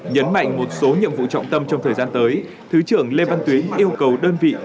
nhấn mạnh một số nhiệm vụ trọng tâm trong thời gian tới thứ trưởng lê văn tuyến yêu cầu đơn vị